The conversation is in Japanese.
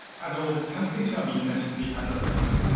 関係者はみんな知っていたんだと思います。